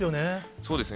そうですね。